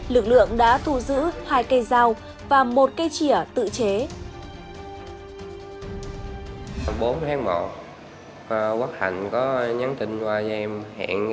lực lượng đã thu giữ hai cây dao và một cây chĩa tự chế